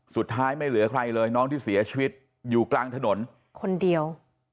สุดท้ายไม่เหลือใครเลยน้องที่เสียชีวิตอยู่กลางถนนคนเดียว